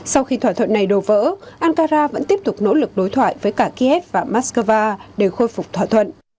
sau khi thỏa thuận này đổ vỡ ankara vẫn tiếp tục nỗ lực đối thoại với cả kiev và moscow để khôi phục thỏa thuận